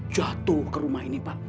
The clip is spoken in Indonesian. jatuh ke rumah ini pak